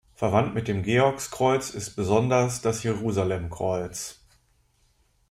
Verwandt mit dem Georgskreuz ist besonders das Jerusalemkreuz.